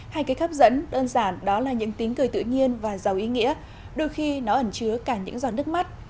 hài kịch hấp dẫn đơn giản đó là những tính cười tự nhiên và giàu ý nghĩa đôi khi nó ẩn chứa cả những giọt nước mắt